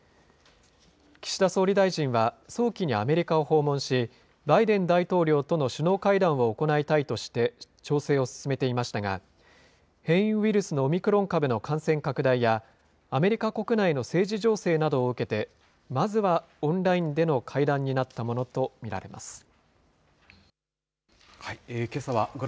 岸田総理大臣は、早期にアメリカを訪問し、バイデン大統領との首脳会談を行いたいとして調整を進めていましたが、変異ウイルスのオミクロン株の感染拡大や、アメリカ国内の政治情勢などを受けて、まずはオンラインでの会談になったものと見られます。